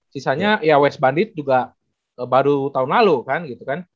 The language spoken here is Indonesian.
sisanya ya west bandit juga baru tahun lalu kan gitu kan